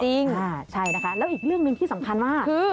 จริงใช่นะคะแล้วอีกเรื่องหนึ่งที่สำคัญมากคือ